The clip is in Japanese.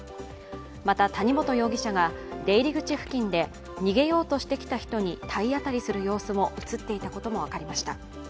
また、谷本容疑者が出入り口付近で逃げようとしてきた人に体当たりする様子も映っていたことも分かりました。